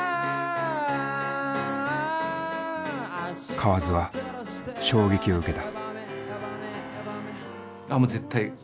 河津は衝撃を受けた。